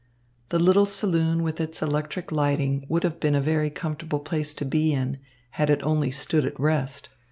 The little saloon with its electric lighting would have been a very comfortable place to be in, had it only stood at rest.